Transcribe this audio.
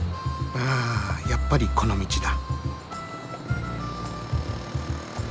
ああやっぱりこの道だ。